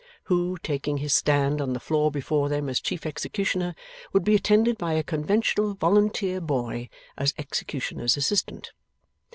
Who, taking his stand on the floor before them as chief executioner, would be attended by a conventional volunteer boy as executioner's assistant.